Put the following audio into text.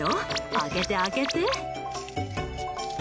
開けて開けて！